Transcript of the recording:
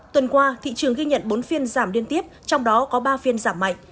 tuần qua thị trường ghi nhận bốn phiên giảm liên tiếp trong đó có ba phiên giảm mạnh